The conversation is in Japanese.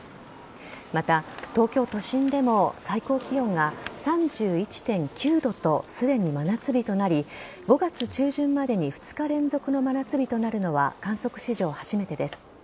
また、東京都心でも最高気温が３１．９度とすでに真夏日となり５月中旬までに２日連続の真夏日となるのは観測史上初めてです。